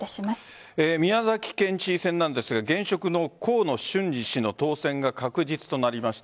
宮崎県知事選なんですが現職の河野俊嗣氏の当選が確実となりました。